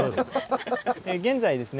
現在ですね